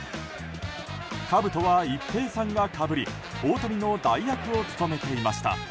かぶとは一平さんがかぶり大谷の代役を務めていました。